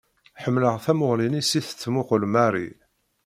Ḥemmleɣ tamuɣli-nni s i tettmuqqul Mary.